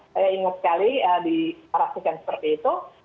saya ingat sekali di para sukan seperti itu